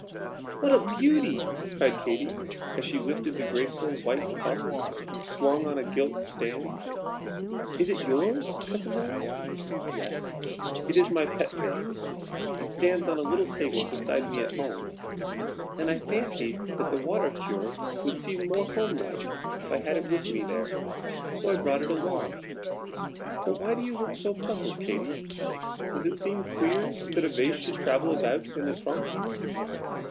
"What a beauty!" cried Katy, as she lifted the graceful white cup swung on a gilt stand. "Is it yours, Cousin Helen?" "Yes, it is my pet vase. It stands on a little table beside me at home, and I fancied that the Water Cure would seem more home like if I had it with me there, so I brought it along. But why do you look so puzzled, Katy? Does it seem queer that a vase should travel about in a trunk?"